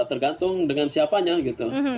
tergantung dengan siapanya gitu